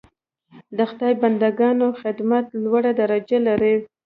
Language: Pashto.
د خدای بنده ګانو خدمت لوړه درجه لري.